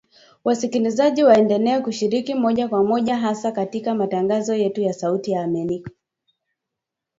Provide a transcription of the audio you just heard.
Wasikilizaji waendelea kushiriki moja kwa moja hasa katika matangazo yetu ya Sauti ya Amerika